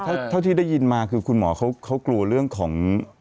เท่าที่ได้ยินมาคือคุณหมอเขากลัวเรื่องของ